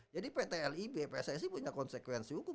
jadi pt lib pssi punya konsekuensi hukum